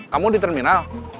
kamu di terminal